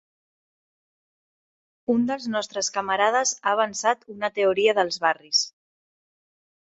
Un dels nostres camarades ha avançat una teoria dels barris.